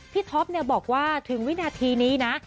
ท็อปบอกว่าถึงวินาทีนี้นะ